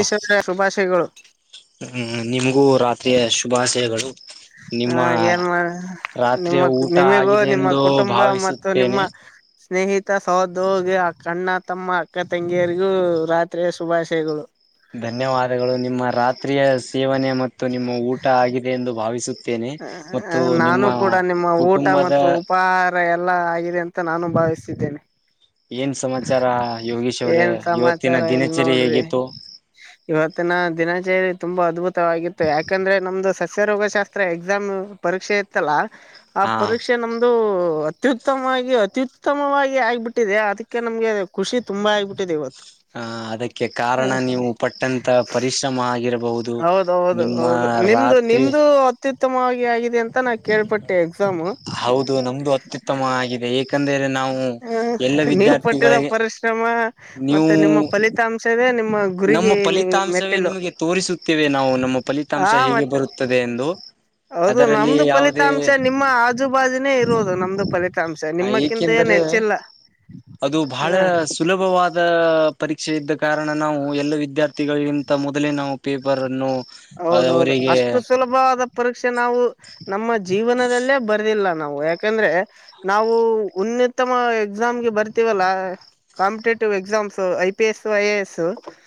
ಈಶ್ವರ್ಯಾ ಶುಭಾಶಯಗಳು. ಹ್ಮ ಹ್ಮ್ಮ್ ನಿಮ್ಗೂ ರಾತ್ರಿಯ ಶುಭಾಶಯಗಳು. ಹ ನಿಮ್ಮ ಏನ್ ಮಾಡ ರಾತ್ರಿಯ ನಿಮ್ಮ ಊಟ ನಿಮಿಗೂ ಆಗಿದೆ ನಿಮ್ಮ ಎಂದು ಕುಟುಂಬ ಮತ್ತು ನಿಮ್ಮ. ಭಾವಿಸುತ್ತೇನೆ ಸ್ನೇಹಿತ ಸಹದ್ದೋಗಿಯ ಕಣ್ಣ ತಮ್ಮ ಅಕ್ಕ ತಂಗಿಯರಿಗೂ ರಾತ್ರಿಯ ಶುಭಾಶಯಗಳು. ಧನ್ಯವಾದಗಳು ನಿಮ್ಮ ರಾತ್ರಿಯ ಸೇವನೆ ಮತ್ತು ನಿಮ್ಮ ಊಟ ಆಗಿದೆ ಎಂದು ಭಾವಿಸು ನಾನು ಕೂಡ ನಿಮ್ಮ ಊಟ ಕುಟುಂಬದ ಮತ್ತು ಉಪ ಹಾರ ಎಲ್ಲಾ ಆಗಿದೆ ಅಂತ ನಾನು ಭಾವಿಸಿದ್ದೇನೆ. ಏನ್ ಸಮಾಚಾರ ಯೋಗೀಶ್ ಅವ್ರೆ ಏನ್ ಇವತ್ತಿನ ಸಮಾಚಾರ ಎಲ್ ದಿನಚರಿ ನೋಡ್ರಿ ಹೇಗಿತ್ತು. ಇವತ್ತಿನ ದಿನಚರಿ ತುಂಬಾ ಅದ್ಭುತವಾಗಿತ್ತು ಯಾಕಂದ್ರೆ ನಮ್ದು ಸಸ್ಯ ರೋಗಶಾಸ್ತ್ರ ಎಕ್ಸಾಮ್. ಪರೀಕ್ಷೆ ಇತ್ತಲ್ಲ. ಆ ಹಾ ಪರೀಕ್ಷೆ ನಮ್ದು ಅತ್ಯುತ್ತಮವಾಗಿ ಅತ್ಯುತ್ತಮವಾಗಿ ಆಗ್ಬಿಟ್ಟಿದೆ ಅದಕ್ ಕೆ ನಮ್ಗೆ ಖುಷಿ ತುಂಬ ಆಗ್ಬಿಟ್ಟಿದೆ ಇವತ್ತು. ಹ ಅದಕ್ಕೆ ಕಾರಣ ನೀವು ಪಟ್ಟಂತ ಪರಿಶ್ರಮ ಆಗಿರಬಹು ಹೌದೌ ಹೌದು ಹೌದು ನಿಮ್ದ ನಿಮ್ದು. ಅತ್ಯುತ್ತಮವಾಗಿ ಆಗಿದೆ ಅಂತ ನಾ ಕೇಳ್ಪಟ್ಟೆ ಎಕ್ಸಾಮು. ಹೌದು ನಮ್ದು ಅತ್ಯುತ್ತಮ ಆಗಿದೆ ಏಕಂದರೆ ನಾವು ಎಲ್ಲ ವಿದ್ಯಾರ್ಥಿಗಳಿಗೆ. ಶ್ರಮ ನೀವು ಮತ್ತೆ ನಿಮ್ಮ ಫಲಿತಾಂಶವೆ ನಿಮ್ಮ. ನಮ್ಮ ಗುರಿಗೆ ಫಲಿತಾಂಶವೇ ಮೆಟ್ಟಿಲು ನಿಮಗೆ ತೋರಿಸುತ್ತೇವೆ ನಾವು ನಮ್ಮ ಆ ಫಲಿತಾಂಶ ಹೇಗೆ ಮತ್ತೆ ಬರುತ್ತದೆ ಎಂದು. ಹೌದು ಅದರಲ್ಲಿ ನಮ್ದು ಯಾವುದೇ ಫಲಿತಾಂಶ ನಿಮ್ಮ ಆಜುಬಾಜುನೇ ಇರುವುದು ನಮ್ದು ಫಲಿತಾಂಶ ನಿಮ್ಮ ಕೆ ಕೆಂದರೆ ಅದು ಭಾಳ ಹ ಸುಲಭವಾದ ಪರೀಕ್ಷೆ ಇದ್ದ ಕಾರಣ. ನಾವು ಎಲ್ಲ ವಿದ್ಯಾರ್ಥಿಗಳಿಗಿಂತ ಮೊದಲೇ ನಾವು ಪೇಪರನ್ನು. ಹೌದೌದು ಅಷ್ಟು ಸುಲಭವಾದ ಪರೀಕ್ಷೆ ನಾವು ನಮ್ಮ ಜೀವನದಲ್ಲೇ ಬರ್ದಿಲ್ಲಾ ನಾವು ಯಾಕಂದ್ರೆ ನಾವು ಉನ್ನತಮ ಎಕ್ಸಾಮ್ ಗೆ ಬರ್ತೀವಲ್ಲಾ competitive exams I P S I A S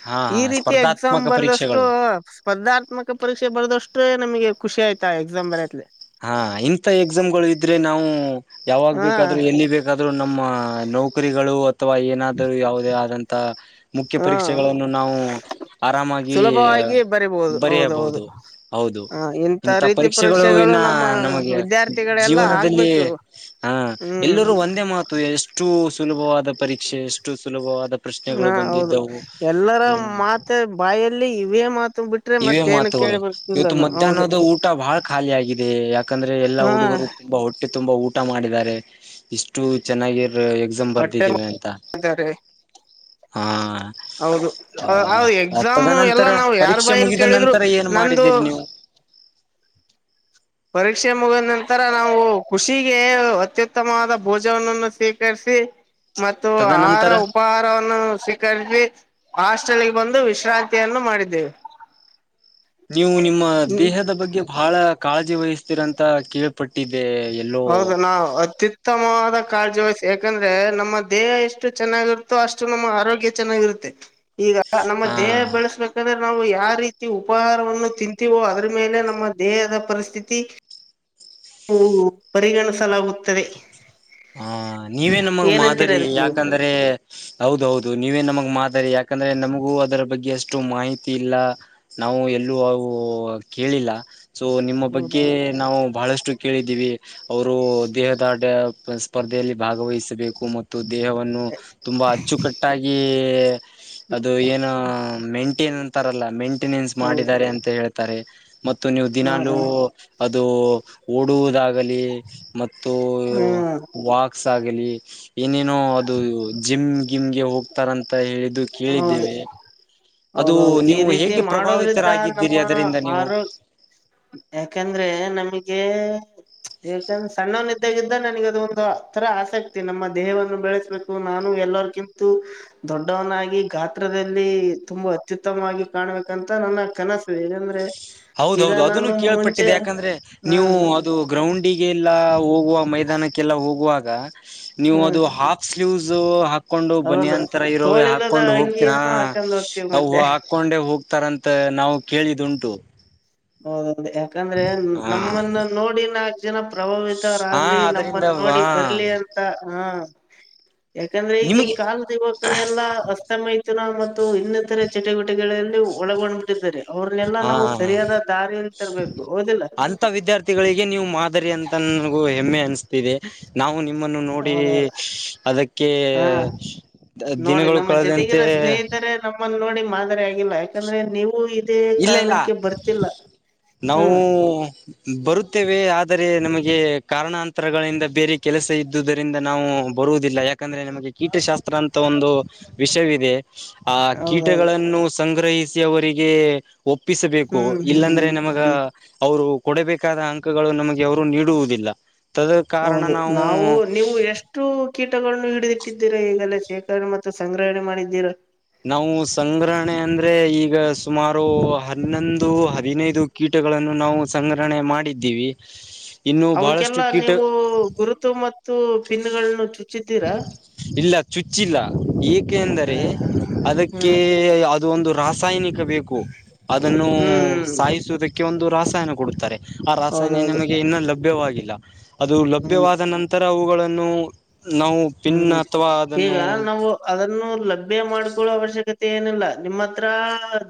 ಹಾ ಈ ಹಾ ರೀತಿಯ ಎಕ್ಸಾಮ್ ಸ್ಪರ್ಧಾತ್ಮಕ ಬರೆದಷ್ಟು ಪರೀಕ್ಷೆಗಳು ಸ್ಪರ್ಧಾತ್ಮಕ ಪರೀಕ್ಷೆ ಬರೆದಷ್ಟೇ ನಮಗೆ ಖುಷಿ ಆಯ್ತಾ ಎಕ್ಸಾಮ್ ಬರೆಯ ಹಾ ಇಂಥ ಎಕ್ಸಾಮ್ ಗಳು ಇದ್ರೆ ನಾವು ಯಾವಾಗ ಹ ಬೇಕಾದ್ರೂ ಎಲ್ಲಿ ಬೇಕ ಹಾಗಾದ್ರೂ ನಮ್ಮ ನೌಕರಿಗಳು ಅಥವಾ ಏನಾದ್ರೂ ಯಾವುದೇ ಆದಂತಾ ಮುಖ್ಯ ಹ ಪರೀಕ್ಷೆಗಳನ್ನು ನಾವು ಆರಾಮಾಗಿ ಸುಲಭವಾಗಿ ಬರಿಬಹುದು ಹೌದೌದು ಬರೆಯಬಹುದು ಹೌದು ಹ ಇಂಥ ಇಂತ ರೀತಿ ಪರೀಕ್ಷೆಗಳು ಇನ್ನಾ ನಮ್ಮ ನಮಗೆ ವಿದ್ಯಾರ್ಥಿಗಳೆಲ್ಲಾ ಜೀವನದಲ್ಲಿ ಆಗ್ಬೇಕು ಹ ಹ್ಮ್ ಎಲ್ಲರೂ ಒಂದ ಒಂದೇ ಮಾತು ಎಷ್ಟು ಸುಲಭವಾದ ಪರೀಕ್ಷೆ ಎಷ್ಟು ಸುಲಭವಾದ ಹಾ ಪ್ರಶ್ನೆಗಳು ಹೌದು ಬಂದಿದ್ದವು ಎಲ್ಲಾರ ಹ್ಮ್ ಮಾತು ಬಾಯಲ್ಲಿ ಇವೇ ಮಾತು ಬಿಟ್ಟು ಇವೆ ಮಾತುಗಳು ಇವತ್ತು ಮಧ್ಯಾಹ್ನದ ಊಟಾ ಬಹಳ ಖಾಲಿ ಆಗಿದೆ ಯಾಕಂದ್ರೆ ಎಲ್ಲ ಹಾ ಹುಡುಗರು ತುಂಬಾ ಹೊಟ್ಟೆ ತುಂಬಾ ಊಟಾ ಊಟ ಮಾಡಿದ್ದಾರೆ ಇಷ್ಟು ಚೆನ್ನಾಗಿರ ಎಕ್ಸಾಮ್ ಹೊಟ್ಟೆ ಬರ್ದಿದ್ದೀವಿ ಅಂತಾ ಇದ್ದಾರೆ ಹಾ ಹೌದು ಆ ಎಕ್ಸಾಮ್ ಎಲ್ಲಾ ತದನಂತರ ನಾವು ಯಾರ್ ಪರೀಕ್ಷೆ ಬಾಯಲ್ಲಿ ಮುಗಿದ ಕೇಳಿದ್ರು ನಂತರ ಏನು ನಂದು ಮಾಡಿದೀರಿ ನೀವು ಪರೀಕ್ಷೆ ಮುಗಿದ ನಂತರ ನಾವು ಖುಷಿಗೆ ಅತ್ಯುತ್ತಮವಾದ ಭೋಜವನ್ನು ಸ್ವೀಕರಿಸಿ ಮತ್ತು ಆಹಾರ ತದನಂತರ ಉಪಹಾರವನ್ನು ಸ್ವಿ ಕರ್ ಹಾಸ್ಟೆಲ್ ಗೆ ಬಂದು ವಿಶ್ರಾಂತಿಯನ್ನು ಮಾಡಿದ್ದೇವೆ ನೀವು ನಿಮ್ಮ ದೇಹದ ಬಗ್ಗೆ ಬಹಳ ಕಾಳಜಿ ವಹಿಸ್ತೀರಂತ ಕೇಳ್ ಪಟ್ಟಿದ್ದೆ ಹೌದನ ವು ಅತ್ಯತ್ ಉತ್ತಮವಾದ ಕಾಳಜಿ ವಹಸಿ ಯಾಕಂದ್ರೆ ನಮ್ಮ ದೇಹ ಎಷ್ಟು ಚೆನ್ನಾಗಿರುತ್ತೋ ಅಷ್ಟು ನಮ್ಮ ಆರೋಗ್ಯ ಚೆನ್ನಾಗಿರುತ್ತೆ ಈಗ ನಮ್ಮ ದೇಹ ಹಾ ಬೆಳೆಸ್ಬೇಕ ಯಾಕಂದ್ರೆ ನಾವು ಯಾವ ರೀತಿ ಉಪಹಾರವನ್ನು ತಿಂತೀವೋ ಅದರ ಮೇಲೆ ನಮ್ಮ ದೇಹದ ಪರಿಸ್ಥಿತಿ [inaudible] [unintelligible] ಪರಿಗಣಿಸಲಾಗುತ್ತದೆ ಹಾ ನೀವೇ ನಮಗೆ ಏನಂತೀರ ಮಾದರಿ ಅದಕ್ ನೀವು ಯಾಕಂದ್ರೆ ಹೌದೌದು ನೀವೇ ನಮಗ್ ಮಾತರಿ ಯಾಕಂದ್ರೆ ನಮಗೂ ಅದರ ಬಗ್ಗೆ ಅಷ್ಟು ಮಾಹಿತಿ ಇಲ್ಲಾ ನಾವು ಎಲ್ಲೂ ಅವು ಕೇಳಿಲ್ಲಾ ಸೊ ನಿಮ್ಮ ಬಗ್ಗೆ ಹೌದೌದು ನಾವು ಬಹಳಷ್ಟು ಕೇಳಿದ್ದೀವಿ ಅವರು ದೇಹದಾಡ್ಯ ಸ್ಪರ್ಧೆಯಲ್ಲಿ ಭಾಗವಹಿಸಬೇಕು ಮತ್ತು ಮತ್ತು ದೇಹವನ್ನು ತುಂಬಾ ಅಚ್ಚುಕಟ್ಟಾಗಿ ಅದು ಏನು ಮೇಂಟೇನ್ ಅಂತಾರಲ್ಲ ಮೇಂಟೆನೆನ್ಸ್ ಹೌದು ಮಾಡಿದ್ದಾರೆ ಅಂತ ಹೇಳ್ತಾರೆ ಮತ್ತು ನೀವು ಹಾ ದಿನಾಲೂ ಹಾ ಅದು ಓಡುವುದಾಗಲಿ ಮತ್ತು ಹ್ಮ್ ವಾಕ್ಸ್ ಆಗಲಿ ಏನೇನೋ ಅದು ಜಿಮ್ ಗಿಮ್ಗೆ ಹೋಗ್ತಾರ ಅಂತ ಹೇಳಿದು ಹೌದು ಕೇಳಿದ್ದೇವೆ ಅದು ಹೌದೌದು ಈ ನೀವು ರೀತಿ ಹೇಗೆ ಮಾಡೋದ್ರಿಂದ ಪ್ರಭಾವಿತರಾಗಿದ್ದೀರಿ ನಮ್ಮ ಅದರಿಂದ ನೀವು ಆರೋ ಯಾಕಂದ್ರೆ ನಮಗೆ ಯಾಕಂದ್ರೆ ಸಣ್ಣ ನಿದ್ದಾಗಿದ್ದ ನನಗ ಅದು ಒಂದು ಆಥರಾ ಆಸಕ್ತಿ ನಮ್ಮ ದೇಹವನ್ನು ಬೆಳೆಸ್ಬೇಕು ನಾನು ಎಲ್ಲರ್ಗಿಂತು ದೊಡ್ಡ ಲಕ್ಡೌನ್ ಆಗಿ ಗಾತ್ರದಲ್ಲಿ ತುಂಬಾ ಅತ್ಯುತ್ತಮವಾಗಿ ಕಾಣಬೇಕಂತ ನನ್ನ ಕನಸು ಎಕಂದ್ರೆ ಹೌದ ಹೌದು ಅದನ್ನು ಕೇಳ್ ಪಟ್ಟಿದ್ದೆ ಯಾಕಂದ್ರೆ ಹಾ ನೀವು ಅದು ಗ್ರೌಂಡಿಗೆ ಎಲ್ಲಾ ಹೋಗುವ ಮೈದಾನಕ್ಕೆಲ್ಲ ಹೋಗುವಾಗ ನೀವು ಹ್ಮ್ ಅದು ಹಾ ಸ್ಲೀವ್ಸ್ ಹಾಕೊಂಡು ಹೌದು ಬನಿಯನ್ ತರಾ ಇರೋ ತೋಳಿಲ್ಲದ ಹಾಕೊಂಡು ಅಂಗಿಯನ್ನು ಹಾಕೊಂಡ್ ಹೋಗ್ತೀವಿ ಹೋಗತೀರಾವು ಮತ್ತೆ ಹಾಕಕೊಂಡೆ ಹೋಗ್ತಾರಂತ ನಾವು ಕೇಳಿದು ಉಂಟು ಹೌದೌದು ಯಾಕಂದ್ರೆ ಹಾ ನಮ್ಮನ್ನ ನೋಡಿ ನಾಕ. ಜನ ಪ್ರಭಾವಿತವರ ಹಾ ಆಗ್ಲಿ ಅದರಿಂದ ನಮ್ಮನ್ ವಾ ನೋಡಿ ಬರ್ಲಿ ಅಂತ ಹ. ಯಾಕಂದ್ರೆ ಈಗಿನ ನಿಮಗೆ ಕಾಲದ ಯುವಕ ಎಲ್ಲಾ ಅಸ್ತ ತ್ತಮ್ಮೈತುಲನ ಮತ್ತು ಇನ್ನಿತರ ಚಟುವಟೆಗಳಲ್ಲಿ ಒಳಗೊಂಡಿದ್ದಾರೆ ಅವ್ರನೆೆಲ್ಲ ಹಾ ನಾವು ಸರಿಯಾದ. ದಾರಿಗಿ ತರಬೇಕು ಹೌದಿಲ್ಲ. ಇಂಥ ವಿದ್ಯಾರ್ಥಿಗಳಿಗೆ ನೀವು ಮಾದರಿ ಅಂತ ನನಗೂ ಹೆಮ್ಮೆ ಅನಿಸ್ತಿದೆ. ನಾವು ನಿಮ್ಮನ್ನು ನೋಡಿ ಹೌದೌದು ಅದಕ್ಕೆ. ಹಾ ದಿನಗಳು ಕಳೆದಂತೆ. ನಮ್ಮನು ನೋಡಿ ಮಾದರಿ ಆಗಿಲ್ಲ ಯಾಕಂದ್ರೆ ನೀವು. ಇದೇ ಇಲ್ಲ ಇಲ್ಲ ಕಾರಣಕ್ಕೆ ಬರ್ತಿಲ್ಲ ನಾವು. ಹ್ಮ್ ಬರುತ್ತೇವೆ ಆದರೆ ನಮಗೆ ಕಾರಣಾಂತರಗಳಿಂದ ಬೇರೆ ಕೆಲಸ ಇದ್ದುದರಿಂದ ನಾವು. ಬರುವುದಿಲ್ಲ ಯಾಕಂದ್ರೆ ನಮಗೆ ಕೀಟಶಾಸ್ತ್ರ ಅಂತ ಒಂದು ವಿಷಯವಿದೆ. ಆ ಹೌದೌದು ಕೀಟಗಳನ್ನು ಸಂಗ್ರಹಿಸಿ ಅವರಿಗೆ. ಒಪ್ಪಿಸಬೇಕು ಹ್ಮ್ ಹ್ಮ್ ಇಲ್ಲಾಂದ್ರೆ ಹ್ಮ್ ನಮಗ. ಹ್ಮ್ ಅವರು ಕೊಡಬೇಕಾದ ಅಂಕಗಳು ನಮಗೆ ಅವರು ನೀಡುವುದಿಲ್ಲ. ತದ ಕಾರಣ ನಾವು. ಇಷ್ಟು ಕೀಟಗಳನ್ನು ಹಿಡಿದಿಟ್ಟಿದ್ದೀರಾ ಈಗಲ್ಲ ಶೇಖರಣೆ ಮತ್ತು ಸಂಗ್ರಹಣೆ ಮಾಡಿದ್ದೀರಾ. ನಾವು ಸಂಗ್ರಹಣೆ ಅಂದ್ರೆ ಈಗ ಸುಮಾರು ಹನ್ನೊಂದು ಹದಿನೈದು. ಕೀಟಗಳನ್ನು ನಾವು ಸಂಗ್ರಹಣೆ ಮಾಡಿದ್ದೀವಿ. ಇನ್ನು ಬಹಳಷ್ಟು ಅವಕ್ಕೆಲ್ಲಾ ಕೀಟ ನೀವು ಗುರುತು ಮತ್ತು ಪಿನ್ ಗಳನ್ನು ಚುಚ್ಚಿದ್ದೀರಾ. ಇಲ್ಲ ಚುಚ್ಚಿಲ್ಲ ಏಕೆ ಅಂದರೆ ಅದಕ್ಕೆ ಹ್ಮ್ ಯಾವದೇ. ಇದು ಒಂದು ರಾಸಾಯನಿಕ ಬೇಕು ಅದನ್ನು ಹ್ಮ್ ಹ್ಮ್ ಸಾಯಿಸುವುದಕ್ಕೆ ಒಂದು ರಾಸಾಯನ ಕೊಡುತ್ತಾರೆ. ಆ ರಾಸಾಯನ ಹೌದೌದು ನಮಗೆ ಇನ್ನೂ ಲಭ್ಯವಾಗಿಲ್ಲ ಅದು ಹ್ಮ್ ಲಭ್ಯವಾದ ನಂತರ ಅವುಗಳನ್ನು. ನಾವು ಪಿನ್ ಹ್ಮ್ ಅಥವಾ ಈಗ ಅದನ್ನು. ನಾವು ಅದನ್ನು ಲಭ್ಯ ಮಾಡ್ಕೊಳ್ಳೋ ಅವಶ್ಯಕತೆ ಏನಿಲ್ಲ ನಿಮ್ಮ ಹತ್ರ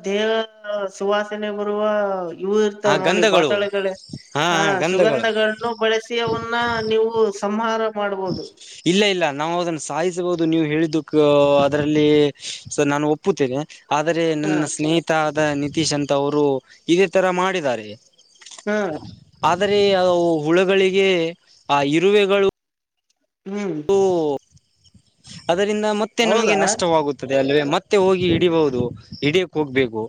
ದೇಹ. ಸುವಾಸನೆ ಬರುವ. ಇವು ಆ ಇರ್ತಾವ ನೋಡಿ ಗಂಧಗಳು ಬಾಟಲ್ಗಳ ಹಾ ಆ ಹ ಗಂಧಗಳು ಸುಗಂಧಗಳ. ಇನ್ನು ಬಳಸಿಯವನ್ನ ನೀವು ಸಂಹಾರ ಮಾಡ್ಬಹುದ. ಇಲ್ಲ ಇಲ್ಲ ನಾವು ಅದನ್ನ ಸಾಯಿಸಬಹುದು ನೀವು ಹೇಳಿದ್ದಕ್ಕ ಅದರಲ್ಲಿ ನಾನು ಒಪ್ಪುತ್ತೇನೆ. ಆದರೆ ಹ ನನ್ನ ಸ್ನೇಹಿತ ಆದ ನಿತೀಶ್ ಅಂತ ಅವರು ಇದೇ ತರ ಮಾಡಿದ್ದಾರೆ. ಹ್ಮ್. ಆದರೆ ಅ ಹುಳಗಳಿಗೆ ಆ ಇರುವೆಗಳು. ಹ್ಮ್. ಓಹೋ ಅದರಿಂದ ಮತ್ತೆ ನಮಗೆ ಹೌದಾ ನಷ್ಟವಾಗುತ್ತ. ಅದೇ ಅಲ್ವೇ ಮತ್ತೆ ಹೋಗಿ ಹಿಡಿಬಹುದು ಹಿಡಿಯಕ್ ಹೋಗ್ಬೇಕ.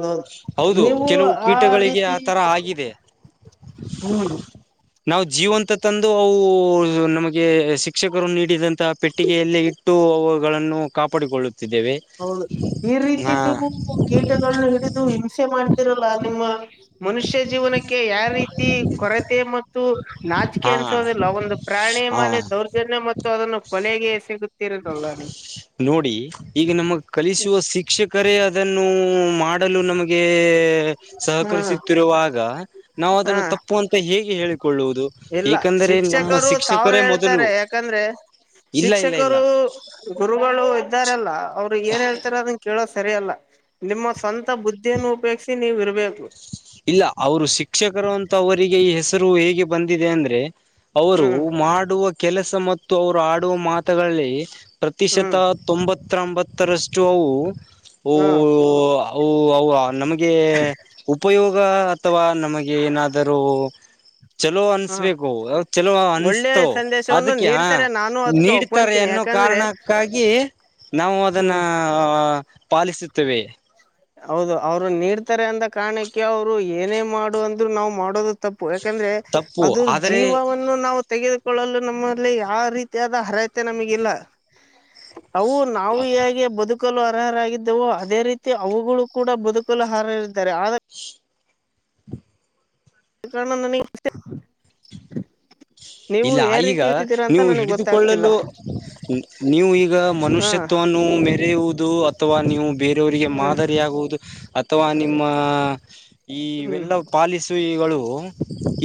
ಹೌದೌದೌದು ಹೌದು ನೀವು ಕೆಲವು ಆ ಕೀಟಗಳಿಗೆ ಆ ರೀತಿ ತರ ಆಗಿದೆ. ಹ್ಮ್. ನಾವು ಜೀವಂತ ತಂದು ಅವು ನಮಗೆ ಸಿಕ್ಕ. ಶಿಕ್ಷಕರು ನೀಡಿದಂತಹ ಪೆಟ್ಟಿಗೆಯಲ್ಲಿ ಇಟ್ಟು ಅವುಗಳನ್ನು ಕಾಪಾಡಿಕೊಳ್ಳುತ್ತಿದ್ದೇವೆ. ಹೌದು ಈ ರೀತಿ ಹಾ ನೀವು ಕೀಟಗಳನ್ನ ಹಿಡಿದು ಹಿಂಸೆ ಮಾಡ್ತೀರಲ್ಲ ನಿಮ್ಮ. ಮನುಷ್ಯ ಜೀವನಕ್ಕೆ ಯಾವ ರೀತಿ ಕೊರತೆ ಮತ್ತು. ಮತ್ತು ನಾಚಿಕೆ ಹಾ ಅನ್ಸೋದಿಲ್ಲ ಒಂದು ಪ್ರಾಣಿ ಮಾಲೆ ಹಾ ದೌರ್ಜನ್ಯ ಮತ್ತು ಅದನ್ನು ಕೊಲೆಗೆ ಸಿಗುತ್ತ. ತಿರುಗೊಳ್ಳಣಿ. ನೋಡಿ ಈಗ ನಮಗ್ ಕಲಿಸುವ ಶಿಕ್ಷಕರೇ. ಈದನ್ನು ಮಾಡಲು ನಮಗೆ ಹಾ ಸಹಕರಿಸುತ್ತಿರುವಾಗ. ನಾವು ಹಾ ಅದನ್ನು ತಪ್ಪು ಅಂತ ಹೇಗೆ ಹೇಳಿಕೊಳ್ಳುವುದು ಇಲ್ಲ ಏಕಂದರೆ ನಮ್ಮ ಶಿಕ್ಷಕರು ಸಾವಿರ ಶಿಕ್ಷಕರೇ ಮೊದಲು ಹೇಳ್ತಾರೆ [inaudible] ಯಾಕಂದ್ರೆ. [inaudible] ಇಲ್ಲ ಇಲ್ಲ ಇಲ್ಲ [inaudible] ತ್ತು ಗುರುಗಳು ಇದ್ದರ ಅಲ್ಲ ಅವರು ಏನ್ ಹೇಳ್ತಾರ ಅದನ್ ಕೇಳೋ ಸರಿಯಲ್ಲ ನಿಮ್ಮ ಸ್ವಂತ [inaudible] ತ ಬುದ್ಧಿಯನ್ನು ಉಪಯೋಗಸಿ ನೀವ ಇರಬೇಕು. [inaudible] ಇಲ್ಲ ಅವರು ಶಿಕ್ಷಕರು ಅಂತ ಅವರಿಗೆ ಈ ಹೆಸರು ಹೇಗೆ ಬಂದಿದೆ ಅಂದ್ರೆ. [inaudible] ಅವರು ಹ್ಮ್ ಮಾಡುವ ಕೆಲಸ ಮತ್ತು ಅವರು ಆಡುವ ಮಾತುಗಳಲ್ಲಿ, [inaudible] ಪ್ರತಿಶತ ಹ್ಮ್ ತೊಂಬತ್ತಂಬತ್ತರಷ್ಟು ಅವು ಓ ಹ್ಮ್ [inaudible] ಓ ಅವುವಾ ನಮಗೆ ಉಪಯೋಗ ಅಥವಾ ನಮಗೆ ಏನಾದರೂ? [inaudible] ಚಲೋ ಹ್ಮ ಅನ್ನಿಸಬೇಕು ಚಲೋ ಒಳ್ಳೆ ಅನ್ಸತ್ತವ ಸಂದೇಶವನ್ನು ಆದಕ್ಯಾ ನೀಡ್ತಾರೆ ನಾನು ಅದಕ್ಕೆ ನೀಡ [inaudible] ಇತರೆ ಒಪ್ಕೊಂತೀನಿ ಎನ್ನೋ ಯಾಕಂದ್ರೆ ಕಾರಣಕ್ಕಾಗಿ ನಾವು ಅದನ್ನ ಪಾಲಿಸುತ್ತೇವೆ. [inaudible] ಹೌದು ಅವರು ನೀಡ್ತರೆ ಅಂದ ಕಾರಣಕ್ಕೆ ಅವರು ಏನೇ ಮಾಡು ಅಂದ್ರು ನಾವ್ ಮಾಡೋದು. [inaudible] ತಪ್ಪು ಯಾಕಂದ್ರೆ ತಪ್ಪು ಅದರ ಆದರೆ ಜೀವವನ್ನು [inaudible] ನೂ ನಾವು ತೆಗೆದುಕೊಳ್ಳಲು ನಮ್ಮಲ್ಲಿ ಯಾವ ರೀತಿಯಾದ ಅರ್ಹತೆ ನಮಗಿಲ್ಲ. [inaudible] ಅವು ನಾವು ಹೇಗೆ ಬದುಕಲು ಅರ್ಹರಾಗಿದ್ದವು ಅದೇ ರೀತಿ [inaudible] ತ್ತೆ ಅವುಗಳು ಕೂಡ ಬದುಕಲು ಅರ್ಹರರ ಇರುತ್ತಾರೆ. ಆದಾ [inaudible] ನನ್ನ ನನ್ನ ಇಚ್ಛೆ? [inaudible] [unintelligible] ಇಲ್ಲ ಈಗ ನೀವು ಗೊತ್ತಾಗ್ತಿಲ್ಲ ಹಿಡಿದುಕೊಳ್ಳಲು. [inaudible] ನೀವು ಈಗ ಹಾ ಮನುಷ್ಯತ್ವವನ್ನು ಮೆರೆಯುವುದು ಅಥವಾ ನೀವು [inaudible] ಬೇರೆಯವರಿಗೆ ಹ್ಮ್ ಮಾದರಿಯಾಗುವುದು ಅಥವಾ ನಿಮ್ಮ ಹ್ಮ್ ಇವೆಲ್ಲ ಪಾಲಿಸಿ [inaudible] ಇವಗಳು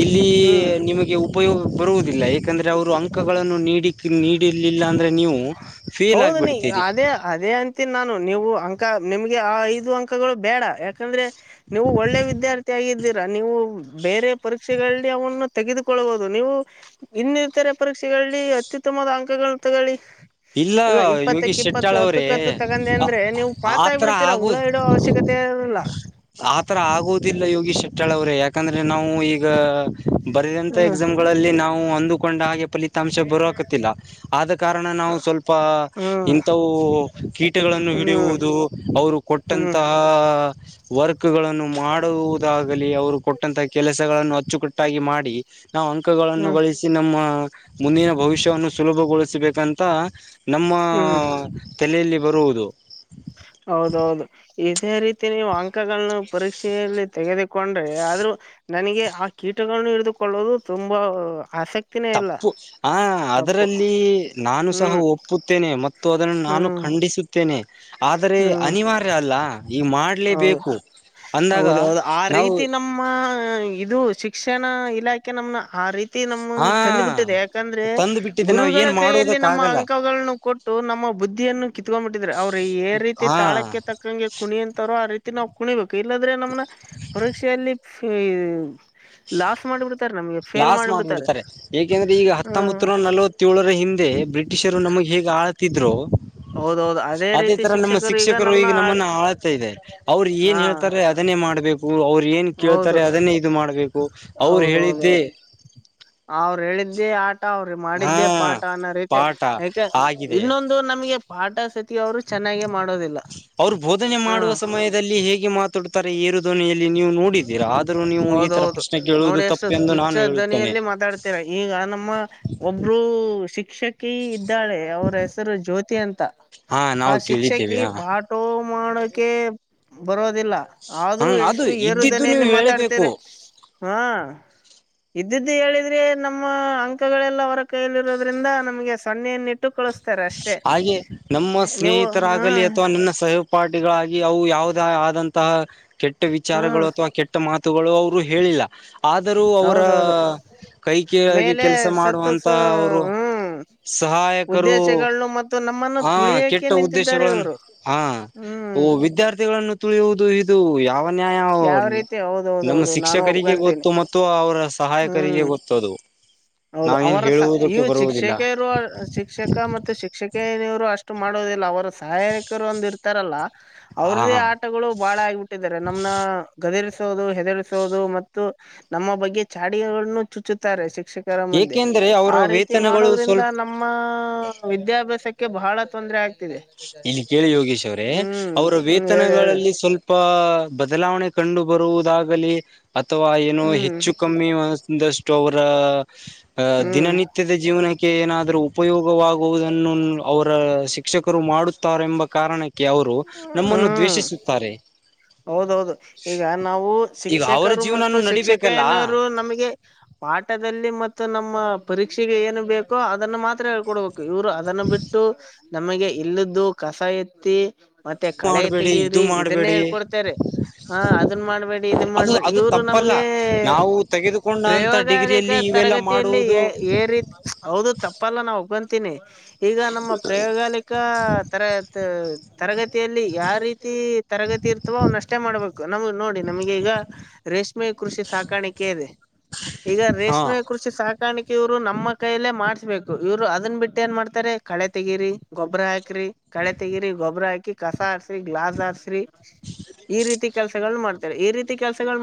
ಇಲ್ಲಿ ಹ್ಮ್ ನಿಮಗೆ ಉಪಯೋಗ [inaudible] ಬರುವುದಿಲ್ಲ ಏಕಂದ್ರೆ ಅವರು ಅಂಕಗಳನ್ನು ನೀಡಿ ನೀಡಿಲಿಲ್ಲ ಅಂದ್ರೆ ನೀವು? [inaudible] ಫೇಲ್ ಹೌದ ನೀ ಆಗ್ಬಿಡ್ತೀರಿ ಆದೇ [inaudible] ಅದೇ ಅಂತಿನ ನಾನು ನೀವು ಅಂಕ ನಿಮ್ಗೆ ಆ ಐದು ಅಂಕಗಳು ಬೇಡ ಯಾಕಂದ್ರೆ? [inaudible] ನೀವು ಒಳ್ಳೆ ವಿದ್ಯಾರ್ಥಿ ಆಗಿದ್ದೀರಾ ನೀವು ಬೇರೆ [inaudible] ಪರೀಕ್ಷೆಗಳಲ್ಲಿ ಅವನ್ನು ತೆಗೆದುಕೊಳ್ಳಬಹುದು ನೀವು? [inaudible] ಇನ್ನ ಇರ್ತರೆ ಪರೀಕ್ಷೆಗಳಲ್ಲಿ ಅತ್ಯುತ್ತಮದ ಅಂಕಗಳು ತಗೊಳ್ಳಿ. [inaudible] ಇಲ್ಲ ಈಗ ಇಪ್ಪತ್ತಕ್ಕೆ ಯೋಗೀಶ್ ಇಪ್ಪತ್ತು ಶೆಟ್ಟಾಳ್ ಅವರೇ ಹತ್ತಕ್ಕ ಹತ್ತು ತಗೊಂದರೆ ಅಂದ್ರೆ ನೀವು ಪಾಸ ಆತರ ಆಗಿಬಿಡ್ತೀರಾ ಹುಳ ಆಗೋದು [inaudible] ಹೇಳು ಅವಶ್ಯಕತೆ ಇರುವುದಿಲ್ಲ. [inaudible] ಆತರ ಆಗೋದಿಲ್ಲ ಯೋಗಿಶ್ ಶೆಟ್ಟಾಳ ಅವರೇ ಯಾಕಂದ್ರೆ ನಾವು ಈಗ. [inaudible] ಬರೆದಂತ ಹ್ಮ್ ಎಕ್ಸಾಮ್ ಗಳಲ್ಲಿ ನಾವು ಅಂದುಕೊಂಡ ಹಾಗೆ ಪಫಲಿ [inaudible] ಅಂಶ ಬರುವಕುತ್ತಿಲ್ಲ ಆದ ಕಾರಣ ನಾವು [inaudible] ಪ ಹ್ಮ್ ಇಂತವು ಕೀಟಗಳನ್ನು ಹ್ಮ್ ಹಿಡಿಯುವುದು ಅವರು ಹ್ಮ್ ಕೊಟ್ಟಂತಹ ಹಾ [inaudible] ವರ್ಕ್ ಗಳನ್ನು ಮಾಡುವುದಾಗಲಿ ಅವರು ಕೊಟ್ಟಂತಹ ಕೆಲಸಗಳನ್ನು ಅಚ್ಚುಕಟ್ಟಾಗಿ ಮಾಡಿ. [inaudible] ನಾವು ಅಂಕಗಳನ್ನು ಹ್ಮ್ ಗಳಿಸಿ ನಮ್ಮ ಮುಂದಿನ ಭವಿಷ್ಯವನ್ನು ಸುಲಭಗೊಳಿಸಬೇಕಂತ. [inaudible] ನಮ್ಮ ಹ್ಮ್ ಹ್ಮ್ ತಲೆಯಲ್ಲಿ ಬರುವುದು. ಹೌದ ಹೌದು. [inaudible] ಇದೇ ರೀತಿ ನೀವು ಅಂಕಗಳನ್ನು ಪರೀಕ್ಷೆಯಲ್ಲಿ ತೆಗೆದುಕೊಂಡ್ರೆ ಆದ್ರೂ [inaudible] ನನಗೆ ಆ ಕೀಟಗಳನ್ನು ಹಿಡಿದುಕೊಳ್ಳೋದು ತುಂಬಾ ಆಸಕ್ತಿ. [inaudible] ತಪ್ಪು. [inaudible] ಹ ಅದರಲ್ಲಿ ನಾನು ಸಹ ಹ್ಮ್ ಒಪ್ಪುತ್ತೇನೆ ಮತ್ತು ಅದನ್ನು ನಾನು ಹ್ಮ್ ಖಂಡಿಸು [inaudible] ಹತ್ತೇನೆ ಆದರೆ ಹ್ಮ್ ಅನಿವಾರ್ಯ ಅಲ್ಲ. [inaudible] ಈಗ ಹೌದು ಮಾಡಲೇಬೇಕು ಅಂದಾಗ ಹೌದೌದು ಆ ನಾವು ರೀತಿ [inaudible] ನಮ್ಮ ಇದು ಶಿಕ್ಷಣ ಇಲಾಖೆ ನಮನ ಆ ರೀತಿ [inaudible] ನಮ್ಮ ಹಾ ತಂದ್ಬಿಟ್ಟಿದೆ ಯಾಕಂದ್ರೆ ತಂದು ಬಿಟ್ಟಿದ್ದೆ ನಾವ್ ಗುರುಗಳ ಏನ್ ಕೈಯಲ್ಲಿ ಮಾಡುವುದಕ್ಕ ನಮ್ಮ ಆಗಲ್ಲ ಅಂಕಗಳನ್ನು ಕೊಟ್ಟು ನಮ್ಮ ಬುದ್ಧಿಯನ್ನು ಕಿತ್ಕೊಂಡ್ಬಿಟ್ಟಿದ್ರರು ಅವ್ರರು ಇದೆ ರೀತಿ ಹಾ ತಾಳಕ್ಕೆ ತಕ್ಕ ಕ್ಕಂಗೆ ಕುಣಿ ಅಂತಾರಆ ರೀತಿ ನಾವು ಕುಣಿಬೇಕು. ಇಲ್ಲಾಂದ್ರೆ ನಮ್ನ ಪರೀಕ್ಷೆಯಲ್ಲಿ ಲಾಸ್ ಮಾಡಿಬಿಡ್ತಾರೆ ನಮ್ಗೆ. ಲಾಸ್ ಮಾಡಿಬಿಡ್ತಾರೆ ಯಾಕೆಂದ್ರೆ ಈಗ ಹ್ಮ್ ಹತ್ತೊಂಬತ್ತು ನೂರ ನಲವತ್ತ ಏಳರ ಹಿಂದೆ ಬ್ರಿಟಿಷರು ನಮಗೆ ಹೇಗ್ ಆಳ್ತಿದ್ರು ಹೌದೌದು ಅದೇ ರೀತಿ ತರ ನಮ್ಮ ಶಿಕ್ಷಕರು ನಮ್ನ ಈಗ ಆ- ನಮ್ಮನ್ನ ಆಳ್ತಾ ಇದಾರೆ. ಅವ್ರು ಏನ್ ಹಾ ಹೇಳ್ತಾರೆ ಅದನ್ನೇ ಮಾಡ್ಬೇಕು ಅವ್ರು ಏನ್ ಕೇಳ್ತಾರೆ ಹೌದು ಅದನ್ನೇ ಇದು ಮಾಡ್ಬೇಕು‌. ಹೌದೌದೌದು, ಅವ್ರು ಹೇಳಿದ್ದೇ ಆ ಅವ್ರ ಹಾ ಮಾಡಿದ್ದೇ ಪಾಠ ಅನ್ನೋ ಪಾಠ ರೀತಿಲಿ ಆಗಿದೆ ಇನ್ನೊಂದು ಇದು ನಮಗೆ ಪಾಠ ಸತಿ ಅವರು ಚೆನ್ನಾಗಾಗಿ ಮಾಡೋದಿಲ್ಲ. ಅವರು ಬೋಧನೆ ಹಾ ಮಾಡುವ ಸಮಯದಲ್ಲಿ ಹೇಗೆ ಮಾತನಾಡು ತರ ಏರು ದೋನಿಯಲ್ಲಿ ನೀವು ನೋಡಿದ್ದೀರಾ, ಆದರೂ ನೀವು ಈ ತರ ಹೌದೌದು ಪ್ರಶ್ನೆ ನೋಡಿ ಕೇಳುವುದು ಎಷ್ಟು ತಪ್ಪು ಎಂದು ತುಚ್ಛ ನಾನು ಹೇಳುತ್ತೇನೆ. ಧ್ವನಿಯಲ್ಲಿ ಮಾತಾಡ್ತೀರ ಈಗ ನಮ್ಮ ಒಬ್ಬರು ಶಿಕ್ಷಕಿ ಇದ್ದಾಳೆ ಅವ್ರ ಹೆಸರು ಜ್ಯೋತಿ ಅಂತ ಹಾ ಆ ನಾವು ಶಿಕ್ಷಕಿ ಕೇಳಿದ್ದೇವೆ ಹಾ ಬಾ ಪಾಠ ಮಾಡೋಕೆ ಬರೋದಿಲ್ಲ ಹ ಆದ್ರೂ ಅದು ಎಷ್ಟು ಏರು ಇದ್ದಿದ್ದು ನೀವು ದನಿಯಲ್ಲಿ ಹೇಳಬೇಕು ಮಾತಾಡ್ತರೆ. ಹಾ, ಇದ್ದಿದ್ದು ಹೇಳಿದ್ರೆ ನಮ್ಮ ಅಂಕಗಳೆಲ್ಲ ಅವರ ಕೈಯಲಿ ಇರೋದ್ರಿಂದ ನಮಗೆ ಸೊನ್ನೆಯನ್ನಿಟ್ಟು ಕಳ್ಸತಾರೆ. ಹಾಗೆ ನಮ್ಮ ಹ್ಮ ಸ್ನೇಹಿತರಾಗಲಿ ಅಥವಾ ನನ್ನ ಸಹೋಪಾಠಿಗಳಾಗಿ ಅವು ಯಾವದ ಆದಂತಹ ಕೆಟ್ಟ ವಿಚಾರಗಳು ಹ್ಮ್ ಅಥವಾ ಕೆಟ್ಟ ಮಾತುಗಳು ಅವರು ಹೇಳಿಲ್ಲ ಆದರೂ ಅವರ ಹೌದೌದು ಕೈ ಕೆಳಗೆ ಮೇಲೆ ಕೆಲಸ ಸತ್ತು ಸ ಮಾಡುವಂತಹ ಅವರು ಹ್ಮ್ ಸಹಾಯಕರು. ಉದ್ದೇಶಗಳನ್ನು ಮತ್ತು ನಮ್ಮನ್ನು ಹಾ, ತುಳಿಯಕೆ ಕೆಟ್ಟ ನಿಂತಿದ್ದಾರೆ ಉದ್ದೇಶಗಳನ್ನು ಇವರು ಹಾ ಹ್ಮ್ ವಿದ್ಯಾರ್ಥಿಗಳನ್ನು ಹೌದು [unintelligible] ಇದು ಯಾವ ನ್ಯಾಯ ಯಾವ ರೀತಿ ನಮ್ಮ ಹೌದೌದೌದು ನಾನು ಶಿಕ್ಷಕರಿಗೆ ಒಪ್ಕೊಂತೀನಿ ಗೊತ್ತು ಮತ್ತು ಅವರ ಹ್ಮ್ ಸಹಾಯಕರಿಗೆ ಗೊತ್ತು. ಚದುವು [unintelligible] ಹೌದು, ಅವರ ಇವು ಬರುವುದಿಲ್ಲ ಶಿಕ್ಷಕರು ಶಿಕ್ಷಕ ಮತ್ತು ಶಿಕ್ಷಕೇವರು ಅಷ್ಟು ಮಾಡೋದಿಲ್ಲ ಅವರ ಸಹಾಯಕರು ಒಂದಿರೆ ಇರತಾರಲ್ಲ ಹ ಅವ್ರದ್ದೇ ಆಟಗಳು ಬಾಳ ಆಗಿಬಿಟ್ಟಿದಿದ್ದಾರೆ. ನಮ್ಮ ನ ಗದಿರ್ಸೋದು, ಹೆದರ್ಸೋದು ಮತ್ತು ನಮ್ಮ ಬಗ್ಗೆ ಚಾಡಿಗಳನ್ನು ಚುಚ್ಚುತ್ತಾರೆ ಶಿಕ್ಷಕರ ಮಧ್ಯೆ ಏಕೆಂದ್ರೆ ಅವರ ಆ ರೀತಿ ವೇತನಗಳು ಮಾಡೋದ್ರಿಂದ ಸ್ವಲ್ಪ ನಮ್ಮ ನಮ್ಮ ವಿದ್ಯಾಭ್ಯಾಸಕ್ಕೆ ಬಹಳ ತೊಂದರೆ ಆಗ್ ಇನ್ ಕೇಳಿ ಯೋಗೇಶ್ ಅವ್ರೇ ಅವರ ಹ್ಮ್ ಹೇಳಿ ಹೇಳಿ ವೇತನಗಳಲ್ಲಿ ಸ್ವಲ್ಪ ಸ್ವಲ್ಪ ಬದಲಾವಣೆ ಕಂಡು ಬರುವುದಾಗಲಿ ಅಥವಾ ಏನೋ ಹ್ಮ್ ಹೆಚ್ಚು ಕಮ್ಮಿಷ್ಟು ಅವರ ಹ್ಮ್ ದಿನನಿತ್ಯ ಸತ್ಯದ ಜೀವನಕ್ಕೆ ಏನಾದರೂ ಉಪಯೋಗವಾಗುವುದನ್ನು ಅವರ ಶಿಕ್ಷಕ ಮಾಡುತ್ತಾರೆ. ಎಂಬ ಕಾರಣಕ್ಕೆ ಅವರು ನಮ್ಮನ್ನು ಹ್ಮ್ ದ್ವೇಷಿಸುತ್ತಾರೆ. ಹೌದೌದು, ಈಗ ನಾವು ಈಗ ಅವರ ಶಿಕ್ಷಕರು ಮತ್ತು ಜೀವನನು ನಡಿಬೇಕಲ್ಲ ಶಿಕ್ಷಕೇನರು ನಮಗೆ- ಪಾಠದಲ್ಲಿ ಮತ್ತು ನಮ್ಮ ಪರೀಕ್ಷೆಗೆ ಏನು ಬೇಕೋ ಅದನ್ನು ಮಾತ್ರ ಹೇಳ್ಕೊಡ್ಬೇಕು. ಇವ್ರು ಅದನ್ನು ಬಿಟ್ಟು ನಮಗೆ ಇಲ್ಲ್ದು ಕಸ ಎತ್ತಿ ಮತ್ತೆ ಕಳೆ ಮಾಡಬೇಡಿ ಇದು ತೆಗೀರಿ ಇದನ್ನೇ ಮಾಡಬೇಡಿ ಹೇಳ್ಕೊಡ್ತಾರೆ. ಹ ಅದನ್ ಮಾಡಬೇಡಿ ಇದನ್ ಅದು ಮಾಡ್ಬೇಡಿ ಅದು ಇವರು ತಪ್ಪಲ್ಲ ನಮ್ಗೆ ನಾವು ತೆಗೆದುಕೊಂಡ ಅಂತ ಡಿಗ್ರಿಯಲ್ಲಿ ಇವೆಲ್ಲ ಪ್ರಯೋಗಾಲಯತರಗತಿಯಲ್ಲಿ ಮಾಡುವುದು ಏ ರೀತಿ ಹೌದು, ತಪ್ಪಲ್ಲ ನಾ ಒಪ್ಕೋಂತಿನಿ ಈಗ ನಮ್ಮ ಪ್ರಯೋಗಾಲಿಕಾ- ತರ ತರಗತಿಯಲ್ಲಿ ಯಾ ರೀತಿ ತಿ ತರಗತಿ ಇರ್ತವೋ ಅವ್ನು ಅಷ್ಟೇ ಮಾಡ್ಬೇಕು. ನಮ್ಗೆ ನೋಡಿ ನಮಗೆ ಈಗ ರೇಸ್ಟ್ ರೇಷ್ಮೆ ಕೃಷಿ ಸಾಕಾಣಿಕೆ ಇದೆ ಈಗ ಹಾ ರೇಷ್ಮೆ ಕೃ ಶೇ ಸಾಕಾಣಿಕೆ ಇವ್ರು ನಮ್ಮ ಕೈಯಲ್ಲೇ ಮಾಡ್ಸ್ಬೇಕು ಇವ್ರು ಅದನ್ನ ಬಿಟ್ಟು ಏನ್ ಮಾಡ್ತಾರೆ ಕಳೆ ತೆಗೀರಿ. ಗೊಬ್ಬ್ರ ಹಾಕ್ರಿ ಕಳೆ ತೆಗಿರಿ ಗೊಬ್ಬ್ರ ಹಾಕಿ ಕಸ ಹಸ್ರಿ ಗ್ಲಾಸ್ ಹಾರ್ಸರೀ ಈ ರೀತಿ ಕೆಲಸಗಳನ್ನ ಮಾಡತ್ತವ ಈ ರೀತಿ ಕೆಲಸಗಳ